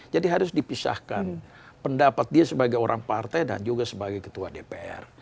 jadi harus dipisahkan pendapat dia sebagai orang partai dan juga sebagai ketua dpr